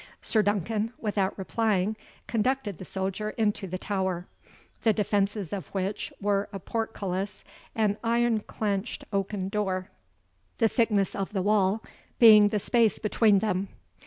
Sir Duncan, without replying, conducted the soldier into the tower; the defences of which were a portcullis and ironclenched oaken door, the thickness of the wall being the space between them.